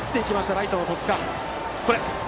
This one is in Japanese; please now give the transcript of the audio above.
ライトの戸塚。